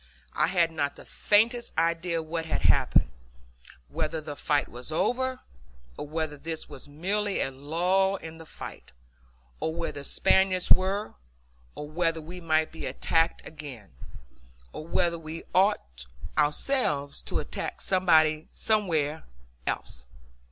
I had not the faintest idea what had happened: whether the fight was over; or whether this was merely a lull in the fight; or where the Spaniards were; or whether we might be attacked again; or whether we ought ourselves to attack somebody somewhere else.